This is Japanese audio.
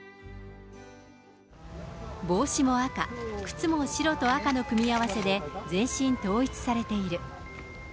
帽子も赤、靴も白と赤の組み合わせで全身統一されている。